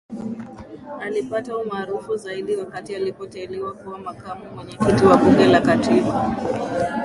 Alipata umaarufu zaidi wakati alipoteuliwa kuwa Makamu Mwenyekiti wa Bunge la Katiba